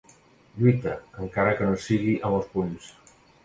Lluita, encara que no sigui amb els punys.